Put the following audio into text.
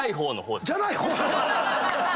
じゃない方